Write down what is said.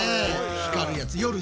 光るやつ。